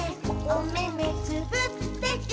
「おめめつぶって」